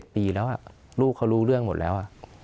๖๗ปีแล้วนะค่ะลูกก็รู้เรื่องหมดแล้ว